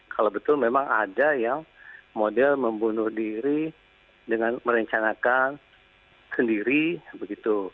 kalau betul memang ada yang model membunuh diri dengan merencanakan sendiri begitu